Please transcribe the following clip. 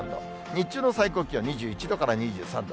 日中の最高気温２１度から２３度。